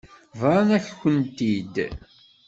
Bḍant-akent-t-id.